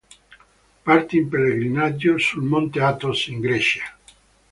Partì in pellegrinaggio sul Monte Athos in Grecia.